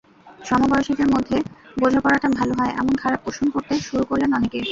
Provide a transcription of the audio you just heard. সমবয়সীদের মধ্যে বোঝাপড়াটা ভালো হয়—এমন ধারণা পোষণ করতে শুরু করলেন অনেকে।